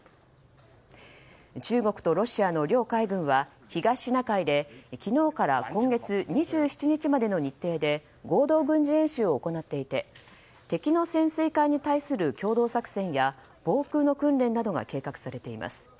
中国とロシアの両海軍は東シナ海で昨日から今月２７日までの日程で合同軍事演習を行っていて敵の潜水艦に対する共同作戦や防空の訓練などが計画されています。